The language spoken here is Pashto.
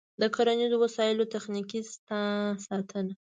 د کرنیزو وسایلو تخنیکي ساتنه د اوږدمهاله ګټې تضمین دی.